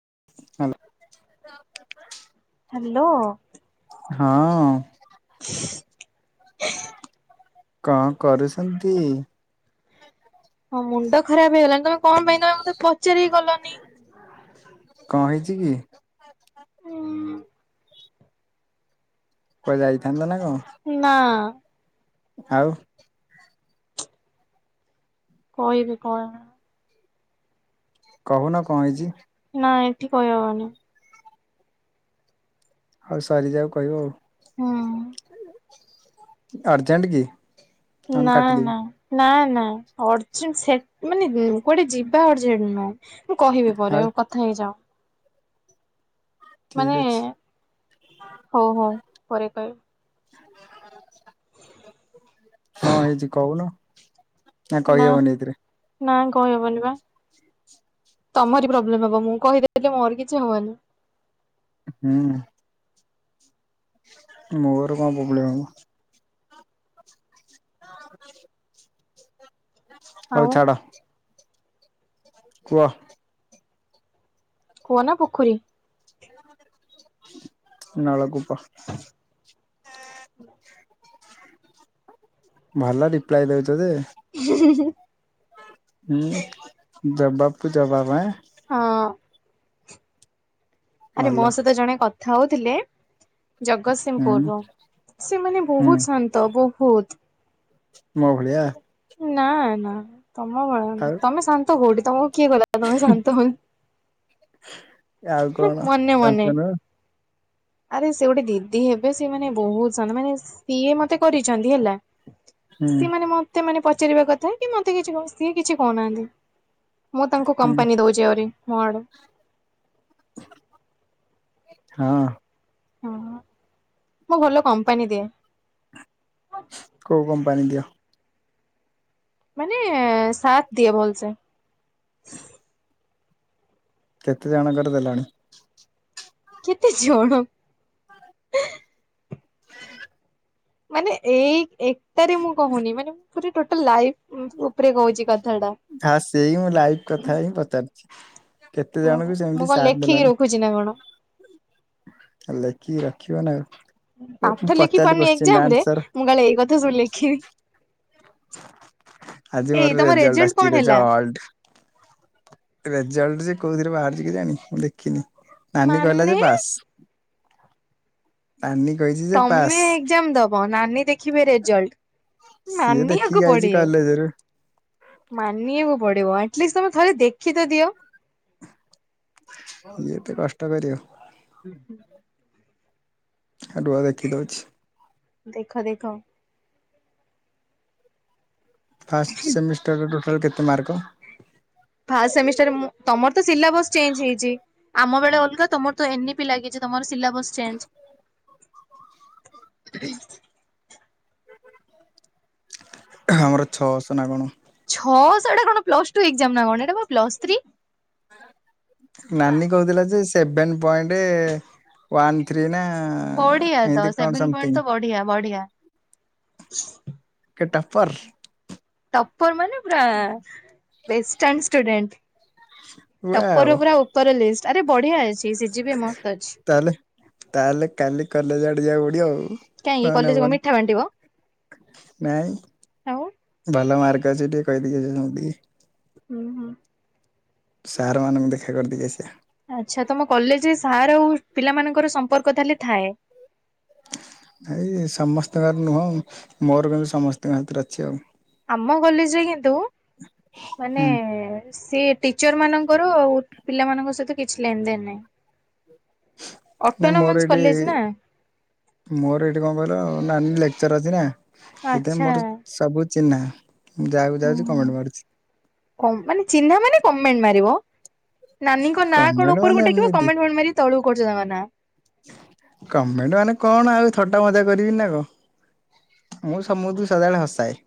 Hello hello ହଁ ଅଁ [unintelligible] କଣ କରୁଛନ୍ତି? ହଁ ମୁଣ୍ଡ ଖରାପ ହେଇଗଲାଣି ତମେ କଣ ପାଇଁ ତମେ ମତେ ପଚାରିକି ଗଲନି? କଣ ହେଇଛି କି? ଉଁ କୁଆଡେ ଯାଇଥାନ୍ତ ନା କଣ? ନା ଆଉ କହିବି କଣ? କହୁନ କଣ ହେଇଚି? ନା ଏଠି କହି ହବନି। ଆଉ ସରିଯାଉ କହିବ ଆଉ। ହୁଁ ଅର୍ଜେଣ୍ଟ କି? ନହେଲେ ନା, କାଟିଦେବି। ନା ନା, ନା, ଅର୍ଜେଣ୍ଟ ସେ ମାନେ କୁଆଡେ ଯିବା ଅର୍ଜେଣ୍ଟ ନୁ ମୁଁ କହିବି ଆଉ ପରେ ଆ କଥା ହେଇଯା। ଠିକ ମାନେ, ଅଛି ହଉ ହଉ ପରେ କହିବି। କଣ ହେଇଛି କହୁନ? ନାଁ କହି ହବନି ଏଇଥିରେ। କହି ହବନି ପା। ତମରି ପ୍ରୋବ୍ଲେମ ହବ, ମୁଁ କହିଦେଲେ ମୋର କିଛି ହବନି। ହୁଁ ଉଁ ମୋର କଣ ପ୍ରୋବ୍ଲେମ ହବ। [unintelligible] ଆଉ ହଉ ଛାଡ। କୁହ? କୁଅ ନା ପୋଖରୀ? ନଳକୂପ, ଭଲ ରିପ୍ଲାଏ ଦଉଛ ଯେ। ହିଁ ହିଁ ହୁଁ, ଜବାବକୁୁ ଜବାବ ଆଁ ହଁ ଅଁ ଆରେ ଭଲ ମୋ ସହିତ ଜଣେ କଥା ହଉଥିଲେ ଜଗତସିଂହପୁର ହୁଁ ରୁ ସେମାନେ ହୁଁ ବହୁତ ଶାନ୍ତ ବହୁତ, ମୋ ଭଳିଆ? ନା, ନା, ତମ ଆଉ ତମେ ଶାନ୍ତ କୋଉଠି ତମକୁ କିଏ କହିଲା ତମେ ଶାନ୍ତ ବୋଲି? ଆଉ କଣ, ମନେ ମନେ। ଶାନ୍ତ ନୁ ଆରେ ସେ ଗୋଟେ ଦିଦି ହେବେ ସେ ମାନେ ବହୁତ ଶାନ୍ତ, ମାନେ ସିଏ ମତେ କରିଛନ୍ତି ହେଲା। ହୁଁ ସିଏ ମାନେ ମତେ ମାନେ ପଚାରିବା କଥା କି ମତେ କିଛି ସିଏ କିଛି କହୁନାହାନ୍ତି। ମୁଁ ତାଙ୍କୁ ହୁଁ କମ୍ପାନୀ ଦଉଛି ଆହୁରି ମ ଆଡୁ। ହଁ ହ ମୁଁ ଭଲ କମ୍ପାନୀ ଦିଏ। କୋଉ କମ୍ପାନୀ ଦିଅ ମାନେ ସାତ ଦିଏ ଭଲସେ କେତେ ଜଣଙ୍କର ଦେଲଣି କେତେ ଜଣ ମାନେ ଏଇ ଏକଟାରେ ମୁଁ କହୁନି ମାନେ ପୁରା ଟୋଟାଲ ଲାଇଫ ଉ ଉପରେ କହୁଛି କଥା ଟା ହଁ ସେଇ ମୁଁ ଲାଇଭ୍ କଥା ହିଁ ପଚାରୁଛି। କେତେ ମୁଁ ଜଣଙ୍କୁ ସେମିତି ମୁଁ କଣ ସାଥ ଲେଖିକି ଦେଲଣି ରଖୁଛି ନା କଣ ଲେଖିକି ରଖିବ ନା ଆଉ ଏ ମୁଁ ପାଠ ଲେଖି ପଚାରିଲି ପାରୁନି କୋଶ୍ଚିନ୍ ଏଜାମ ରେ ଆନ୍ସର ମୁଁ କାଲେ ଏଇ କଥା ଶୁଣି ଲେଖିନି ଆଜି ମୋର ରେଜଲ୍ଟ କଣ ଆସିଛି ହେଲା ରେଜଲଟ ରେଜଲ ସେ କୋଉଥିରେ ବାହାର ଯିକେ ଜାଣି ମୁଁ ଦେଖିନି ନାନୀ କହିଲା ଯେ ମାନେ ବାସ୍ ଯେ ତମେ ପାସ୍। ଏକଜାମ ଦବ ନାନୀ ଦେଖିବେ ରେଜଲ୍ଟ ସିଏ ମାନିବାକୁ ଦେଖିକି ଆଇଛି ପଡେ କଲେଜରୁ ମାନିବାକୁ ପଡିବ ଅଟଲିଷ୍ଟ ତମେ ଥରେ ଦେଖି ତ ଦିଅ ଇଏ ତେ କଷ୍ଟ କରିବ ଏ ରୁଆ ଦେଖିଦଉଛି। ଦେଖ ଦେଖ ଫାଷ୍ଟ ସେମିଷ୍ଟରରେ ଟୋଟାଲ କେତେ ମାର୍କ ଫାମିଷ୍ଟ ମୁଁ ତମର ତ ସିଲାବସ ଚେଞ୍ଜ ହେଇଛି ଆମ ବେଳେ ଅଲଗା ତମର ତ ଏନିପି ଲାଗିଛି ତମର ସିଲାବସ୍ ଚେଞ୍ଜ ଆମର ଛଅଶହ ନାଗଣ ଛଅ ସାଢେ କଣ ପ୍ଲସ ତୋ ଏକଜାମା ନା କଣ ଏଟା ପା plus three seven point one three ନା ବଢିଆ ତ ଏମିତି କଣ ସେଭେନ ପଏଣ୍ଟ ସମଥିଙ୍ଗ ତ ବଢିଆ ବଢିଆ ଏ ଟପ ର୍ ଟପର ମାନେ ପୁରା best stunt student topper wow ପୁରା ଉପର ଲିଷ୍ଟ ଆରେ ବଢିଆ ଅଛି ସିଜି ବି ମସ୍ତ ଅଛି। ତାହେଲେ ତାହେଲେ କାଲି କଲେଜ ଆଡେ ଯିବାକୁ ପଡିବ ଆଉ କାହିଁକି ହ କଲେଜ କଣ ନବନି ମିଠା ବାଣ୍ଟିବ ନାଇଁ ଆଉ। ଭଲ ମାର୍କ ଛି ଟ କାଇଦି ଯି ହୁଁ ହୁଁ ସାରମାନଙ୍କୁ ଦେଖା କରିଦି ଆସିବା ଆଚ୍ଛା ତମ କଲେଜରେ ସାର୍ ଆଉ ପିଲା ମଙ୍କର ସମ୍ପର୍କ ତାହଲେ ଥାଏ ଏଇ ସମସ୍ତଙ୍କର ନୁହଁ ମୋର କେନ୍ତୁ ସମସ୍ତଙ୍କ ସାଥିରେ ଅଛି ଆଉ ଆମ କଲେଜ ରେ କିନ୍ତୁ ମାନେ ହୁଁ ସେ ଟିଚର ମାନଙ୍କର ଆ ପିଲାମାନଙ୍କ ସହିତ କିଛି ଲେନ ଦେନ ନାହିଁ ନାଇ ଅଟୋନୋମସ ମୋର ଏଇଠି କଲେଜ ନା ମୋର ଏଇଠି କଣ କଲ ନାନୀ ଲେକ୍ଚର ଅଛି ନା ସେଥିପାଇଁ ଆଚ୍ଛା ମୋର ହୁଁ ସବୁ ଚିହ୍ନା ମୁଁ ଯାହାକୁ ଯାଉଛି ହୁଁ। କମେଣ୍ଟ ମାରୁଛି କମ୍ ମାନେ ଚିହ୍ନା ମାନେ କମେଣ୍ଟ ମାରିବ। ନାନୀଙ୍କ ନାଁ କଣ କମେଣ୍ଟ ମାନେ ଉପରକୁ ଟେକିବ ଏମିତି କମେଣ୍ଟ ଫେମଣ୍ଟ ମାରି ତଳକୁ କରୁ ତାଙ୍କ ନାଁ କମେଣ୍ଟ ମାନେ କଣ ଆଉ ଥଟା ମଜା କରିବି ନା କ ମୁଁ ସମୁଦୁ ସଦାବେଳେ ହସାଏ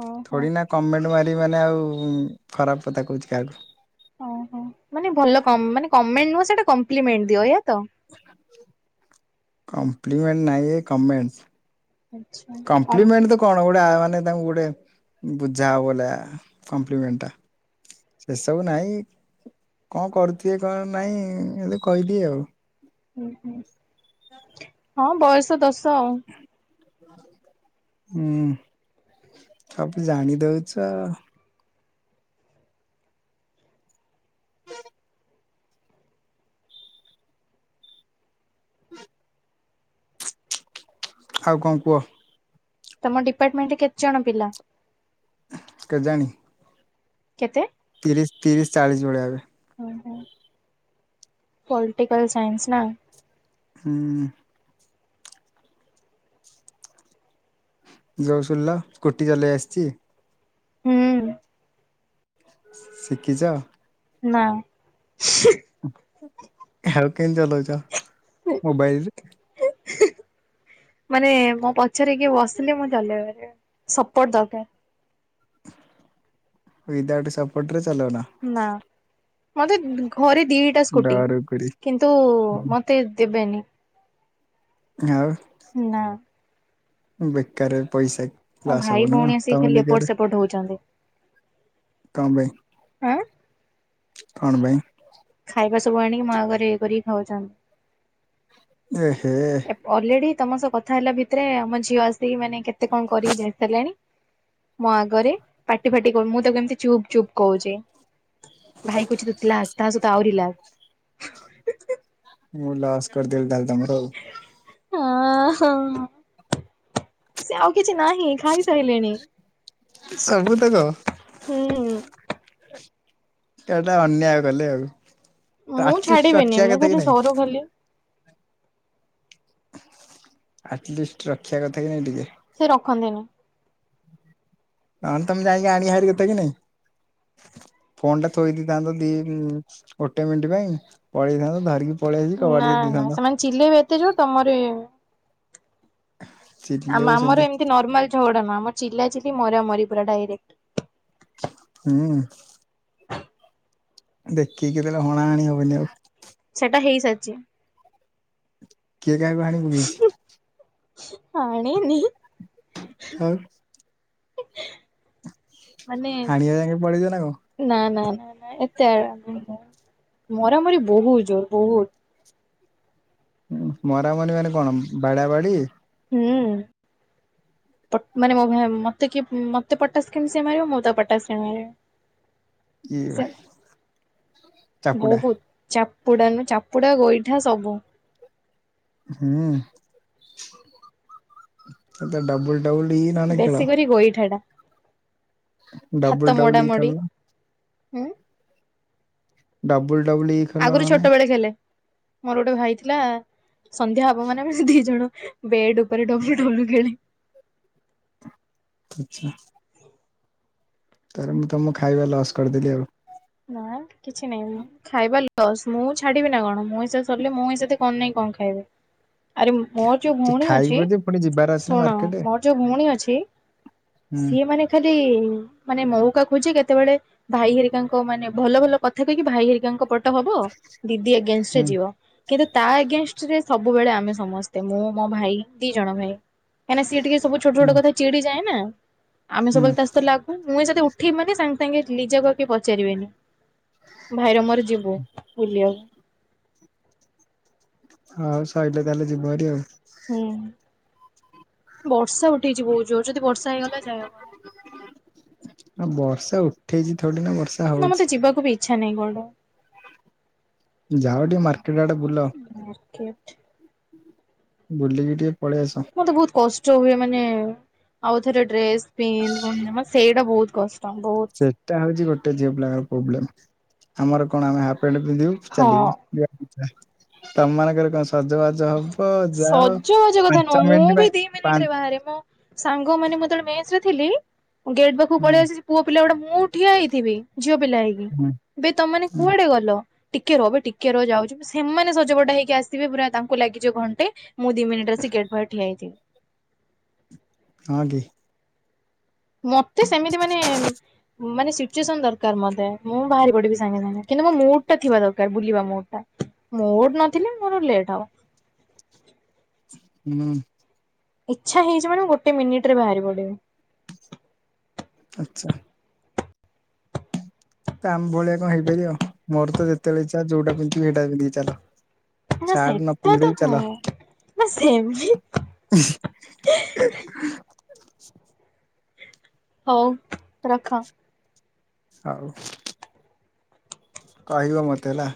ଓହୋ ଥୋ ଡି ନା କମେଣ୍ଟ ମାରି ମାନେ ଆଉ ଖରାପ କତା କହୁଛି କାହାକୁ ଓ ହଁ ମାନେ ଭଲ କମ୍ ମାନେ କମେଣ୍ଟ ନୁହଁ ସେଟା କମ୍ପ୍ଲିମେଣ୍ଟ ଦିଅ ଏଇଆ। ତ। କମ୍ପ୍ଲିମେଣ୍ଟ ନାଇଁଏ କମେଣ୍ଟସ୍। ଆଚ୍ଛା କମ୍ କମ୍ପ୍ଲିମେଣ୍ଟ ତ କଣ ଗୋ ରା ମାନେ ତାଙ୍କୁ ଗୋଟେ ବୁଝା ହବନା କମ୍ପ୍ଲିମେଣ୍ଟ ଟା। ସେସବୁ ନାଇଁ କଣ କରୁଥୁବେ କଣ ନାଇଁ ମୁଁ ଯଦି କଇ ଦିଏ ଆଉ ହୁଁ ହୁଁ ହଁ ବୟସ ଦୋଷ ଆଉ। ହୁଁ ସବୁ ଜାଣି ଦଉଛ। ହୁଁ [unintelligible] ଆଉ କଣ କୁଅ? ତମ ଡିପାର୍ଟମେଣ୍ଟରେ କେତେ ଜଣ ପିଲା? କେଜାଣି? କେତେ? ତିରିଶ ତିରିଶ ଚାଳିଶ ଭଳିଆ ହେବେ। ଓ ହୋ ପଲଟିକାଲ ସାଇନ୍ସ ନା। ହୁଁ। ଜଏସୁଲ୍ଲା ସ୍କୁଟି ଚଲେଇ ଆସିଚି? ହୁଁ। ଶିକିଚ? ନା। ଆଉ କେମିତି ଚାଲଉଚ ମୋବାଇଲ? ମାନେ ମୋ ପଛରେକିଏ ବସିଲେ ମୁଁ ଚଲେଇ ପାରିବି ସପୋର୍ଟ ଦରକାର। ୱିଦିଆଉଟ ସପୋର୍ଟରେ ଚଲଉନା? ନା। ମତେ ଘରେ ଦିଟା ସ୍କୁଟି ଡରୁକୁରି କିନ୍ତୁ ମତେ ଦେବେନି। ଆଉ। ନା। ବେକାର ରେ ପଇସା ମୋ ଲସ୍ ଭାଇ ହବ ନୁହଁ ଭଉଣୀ ଆସିକି ତମ ଖାଲି ଏପଟ ସେପଟ [unintelligible] ହଉଛନ୍ତି କଣ ଆଁ ପାଇଁ କଣ ପାଇଁ? ଏଗୁରା ସବୁ ଆଣିକି ମା ଘରେ ଇଏ କରିକି ଖାଉଚ ଏ ହେ ଏପ୍ ଅଲରେଡି ତମ ସହ କଥା ହେଲା ଭିତରେ ଆମ ଝିଅ ଆସିକି ମାନେ କେତେ କଣ କରିକି ଯାଇସାରିଲାଣି। ମୋ ଆଗରେ ପାଟି ଫାଟି କ ମୁଁ ତାକୁ ଏମିତି ଚୁପ୍ ଚୁପ୍ କହୁଚି। ଭାଇ କହୁଚି ଦୁତିଲା ତାହା ସହିତ ଆହୁରିିଲା। ମୁଁ ଲସ୍ କରିଦେଲ ତାହେଲେ ତମର ଆଉ। ଅ ହଁ ସେ ଆଉ କିଛି ନାହିଁ ଖାଇସାଇଲେଣି। ସବୁତକ। ହୁଁ? ଏଟା ଗୋଟେ ଅନ୍ୟାୟ କଲେ ଆଉ ମୁଁ ଆଟଲିଷ୍ଟ ଛାଡିବିନି ରଖିଆ ମୁଁ କଥା କି ଖାଲି ସରୁ ନାହିଁ? ଖାଲି ଆଟଲିଷ୍ଟ ରଖିବା କଥା କି ନାଇଁ ଟିକେ? ସେ ରଖନ୍ତିନି। ନହନେ ତମେ ଯାଇକି ଆଣି ହାରି କଥା କି ନାଇଁ। ଫୋନ ଟା ଥୋଇ ଦେଇଥାନ୍ତ ଦି ଗୋଟେ ମିନିଟ ପାଇଁ ପଳେଇଥାନ୍ତ ଧରିକି। ପଳେଇ ଆସିକି କବାଟ ନା ଦେଇ ନା ଦେଇଥାନ୍ତ ସେମାନେ ଚିଲେଇବେ ଏତେ ଜୋର୍ ତମର ଇଏ ଆମ ଚିଲଉଛନ୍ତି ଆମର ଏମିତି ନର୍ମାଲ ଝଗଡା ନୁଅଁ ଆମ ମୋର ଚିଲା ଚିଲି ମରାମରି ପୁରା ଡାଇରେକ୍ଟ। ହୁଁ। ଦେଖିକିରି କେତେଲ ହଣାହଣି ହବନି ଆଉ। ସେଟା ହେଇସାରିଚି। କିଏ କାହାକୁ ହାଣି ପକେଇଛି? ହାଣିନି। ଆଉ ମାନେ ହାଣିବା ଯାକେ ପଳେଇଛ ନା କଣ ନା ନା। ଏତେ ମରାମରି ବହୁତ ଜୋର ବହୁତ ମରାମରି ମାନେ କଣ ବାଡା ବାଡି [unintelligible] ମାନେ ମତେ କି ମତେ ପଟାସ କେମିତି ମାରିବ ମୁଁ ତ ପଟାସି ମାରିବ। [inaudible] [unintelligible] ଚାପୁଡା ପୁଡା ନୁ ଚାପୁଡା ଗୋଇଠା ସବୁ। ହୁଁ, ଏ ଡବୁଲ। ବେଶୀ କରି [unintelligible] ଗୋଇଠା ଟା। ଡବୁଲ ହାତ ଡବୁଲ ଇ ମୋଡ଼ାମୋଡ଼ିି ଖେଳୁନ ହୁ। ଡବୁଲ ଡବୁଲ ଇ ଖେଳୁନ ଆଗରୁ ନହେଲେ ଛୋଟ ବେଳେ ଖେଲେ, ମୋର ଗୋଟେ ଭାଇ ଥିଲା। ସନ୍ଧ୍ୟା ହବ ମାନ ଦି ଜଣ ବେଡ ଉପରେ ଡବଲୁ ଡବ ଲୁ ଖେଳି ଆଛା। ତାର ମୁଁ ତମକୁ ଖାଇବା ଲସ୍ କରିଦେଲି ଆଉ। ନାଁ କିଛି ନାଇଁ ମୁଁ ଖାଇବା ଲସ୍ ମୁଁ ଛାଡିବି ନା କଣ? ମୋ ହିସାବରେ ସରିଲେ ମୋ ହିସ କଣ ନାଇଁ କଣ ଖାଇବେ? ଆରେ ମୋର ଯୋଉ ଭଉଣୀ ଖାଇବ ଅଛି ଯେ ପୁଣି ଯିବାର ଅଛି ନା ଶୁଣ, ମାର୍କେଟ ମୋ ଯୋଉ ଭଉଣୀ ଅଛି। ହୁଁ ସିଏ ମାନେ ଖାଲି ମାନେ ମଉକା ଖୋଜେ କେତେବେଳେ ଭାଇ ହେରିକାଙ୍କ ମାନେ ଭଲ ଭଲ କଥା କହିକି ଭାଇ ହେରିକାଙ୍କ ହବ ଦିଦି ଏଗେନଷ୍ଟରେ ହୁଁ ଯିବ, କିନ୍ତୁ ତା ଏଗେନଷ୍ଟ ରେ ସବୁବେଳେ ଆମେ ସମସ୍ତେ ମୁଁ ମୋ ଭାଇ ଦି ଜଣ ଭାଇ। କାହିଁକି ସି ଟିକେ ସବୁ ଛୋଟ ଛୋଟ ହୁଁ କଥା ଚିଡି ଯାଏ ନା ଆମେ ହୁଁ ସବୁବେଳେ ତା ତ ଲାଗୁ ମୁଁ ସତେ ଉଠେଇଲି, ମାନେ ସାଙ୍ଗେ ସାଙ୍ଗେ ନିଜାକୁ ଆଗି ପଚାରିବେନି। ଭାଇର ମୋର ଯିବୁ ବୁଲିବାକୁ। ହଉ ସରିଲେ ତାହେଲେ ଯିବ ଭାରି ଆଉ। ହୁଁ ବର୍ଷା ଉଠେଇଚି ବହୁତ ଜୋର ଯଦି ବର୍ଷା ହେଇଗଲା [unintelligible] ଆଉ ବର୍ଷା ଉଠେଇଛି ଥୋଡ଼ି ନା। ବର୍ଷା ନା ହଉଛି ମତେ ଯିବାକୁ ବି ଇଛା ନାହିଁ ବାହୁଡା଼ ଯାଅ ଟିକେ ମାର୍କେଟ ଆଡେ ବୁଲ। ମାର୍କେଟ। ବୁଲିକି ଟିକେ ପଳେଇ ଆସ। ମତେ ବହୁତ କଷ୍ଟ ହୁଏ ମାନେ ଆଉ ଥରେ ଡ୍ରେସ ପିନ୍ ସେଇଟା ବହୁତ କଷ୍ଟ। ବହୁତ ସେଟା ହଉଛି ଗୋଟେ ଝିଅ ପିଲାଙ୍କର ପ୍ରୋବ୍ଲେମ ଆମର କଣ ଆମେ [unintelligible] ପିନ୍ଧିବୁ ହଁ। ଚାଲିବୁ ତମ ମାନଙ୍କର କଣ ସଜବାଜ ହବ। ଯାଅ ସଜବାଜ କଥା ପାଞ୍ଚ ନୁହଁ ମୁଁ ମିନିଟ ବି ପାଇଁ ଦି ମିନିଟ ପାଞ୍ଚ ରେ ବାହାରେ ମୋ ସାଙ୍ଗ ମାନେ ମତବେଳେ ମ ଥିଲି, ଗେଟ ପାଖକୁ ହୁଁ ପଳେଇ ଆସି ପୁଅ ପିଲା ଗୁଡା ମୁଁ ଠିଆ ହେଇଥିବି। ଝିଅ ପିଲା ହେଇକି ହୁଁ ଏ ତମେମାନେ ହୁଁ କୁଆଡେ ଗଲ। ଟିକେ ରହ ଏବେ ଟିକେ ରହ ଯାଉଛି ସେମାନେ ସଜପଟା ହେଇକି ଆସିବେ ପୁରା ତାଙ୍କୁ ଲାଗିଯିବ ଘଣ୍ଟେ। ମୁ ଦି ମିନିଟର ଆସି ଗେଟ ପାଖରେ ଠିଆହେଇଛି। ହଁ କି? ମତେ ସେମିତି ମାନେ ମାନେ ସିଚୁଏସନ ଦରକାର ମତେ ମୁଁ ବାହାରି ପଡିବି ସାଙ୍ଗେ ସାଙ୍ଗେ, କିନ୍ତୁ ମୋ ମୁଡ଼ ଟା ଥିବା ଦରକାର ବୁଲିବା ମୁଡ଼ ଟା। ମୋର ନଥିଲେ ମୋର ଲେଟ୍ ହବ। ହୁଁ ଇଛା ହେଇଛି ମାନେ ଗୋଟେ ମିନିଟ ରେ ବାହାରି ପଡିବ। ଆଛା ତମ ଭଳିଆ କଣ ହେଇପାରିବ ଆଉ ମୋର ତ ଯେତେବେଳେ ଇଛା ଯୋଉଟା ପିନ୍ଧିବି ସେଟାିନ୍ଧିକି ଚାଲ। ନା ସାର୍ଟ ନ ସେଟ ପିନ୍ଧିଲେ ତ ବି ହଁ ଚାଲ ନା ସେମତି [unintelligible] ହଉ ରଖ। ସାଉ କହିବ ମତେ ହେଲା।